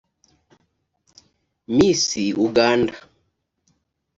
Miss Uganda